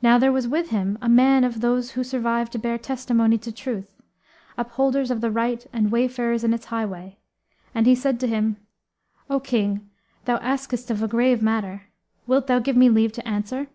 Now there was with him a man of those who survive to bear testimony to Truth; upholders of the Right and wayfarers in its highway, and he said to him, 'O King, thou askest of a grave matter. Wilt thou give me leave to answer?'